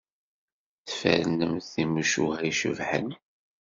Tfernemt timucuha icebḥen.